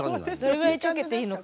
どれぐらいちょけていいのか。